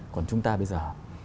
còn chúng ta bây giờ